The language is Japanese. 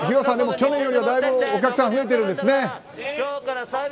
去年よりはだいぶお客さん増えてるんですね。